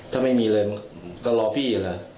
ถ้าไม่มีเลยมันก็ลอบปีย์